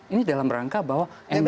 ini dalam rangka bahwa mk